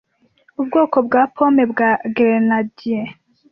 Ubwoko bwa Pome bwa Grenadier